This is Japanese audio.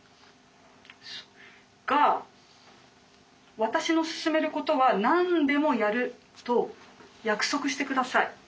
「が私の勧めることは何でもやると約束して下さい」。